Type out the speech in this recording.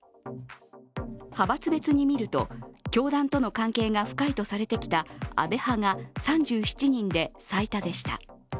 派閥別に見ると、教団との関係が深いとされてきた安倍派が３７人で、最多でした。